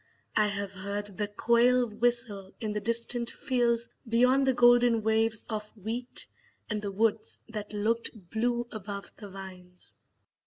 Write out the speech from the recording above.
I have heard the quail whistle in the distant fields beyond the golden waves of wheat and the woods that looked blue above the vines.